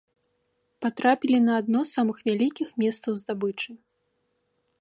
Патрапілі на адно з самых вялікіх месцаў здабычы.